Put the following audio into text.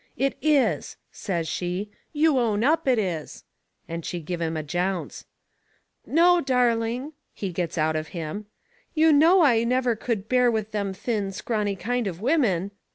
"It is," says she, "you own up it is!" And she give him a jounce. "No, darling," he gets out of him, "you know I never could bear them thin, scrawny kind of women."